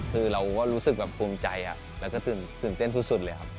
คือเราก็รู้สึกแบบภูมิใจแล้วก็ตื่นเต้นสุดเลยครับ